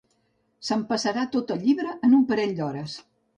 S'empassarà tot el llibre en un parell d'hores.